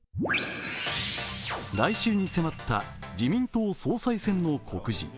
来週に迫った自民党総裁選の告示。